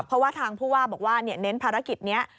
เพราะว่าทางผู้ว่าบอกว่าเน้นภารกิจนี้